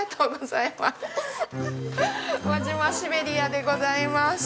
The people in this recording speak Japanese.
輪島シベリアでございます。